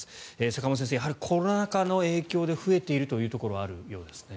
坂元先生、コロナ禍の影響で増えているということがあるようですね。